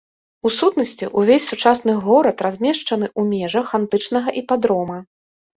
У сутнасці, увесь сучасны горад размешчаны ў межах антычнага іпадрома.